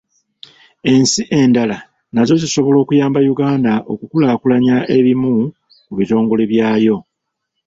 Ensi endala nazo zisobola okuyamba Uganda okukulaakulanya ebimu ku bitongole byayo.